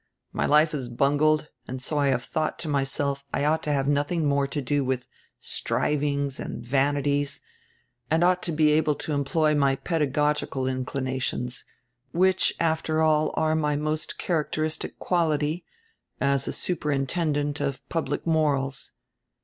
My life is bungled, and so I have thought to myself I ought to have nothing more to do with strivings and vanities, and ought to be able to employ my pedagogical inclinations, which after all are my most characteristic quality, as a superintendent of public morals.